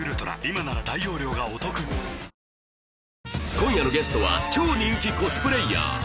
今夜のゲストは超人気コスプレイヤー